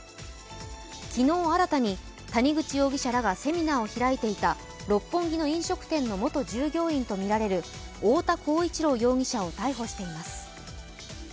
昨日、新たに谷口容疑者らがセミナーを開いていた六本木の飲食店の元従業員とみられる太田浩一朗容疑者を逮捕しています。